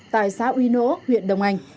tại xã uy nỗ huyện đông anh